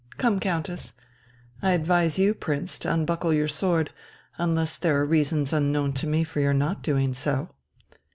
Come, Countess! I advise you, Prince, to unbuckle your sword, unless there are reasons unknown to me for your not doing so...."